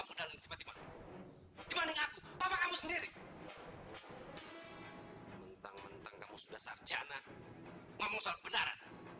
masalahnya si fatima itu adalah anak yang kertas asmita